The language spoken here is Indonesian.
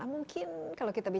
baru lihat dominated ngeri